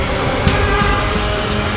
kau tak bisa menyembuhkan